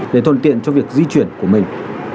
để thuận tiện cho việc di chuyển của mình